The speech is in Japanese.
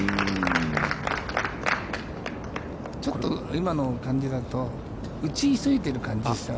ちょっと今の感じだと、打ち急いでる感じだよね。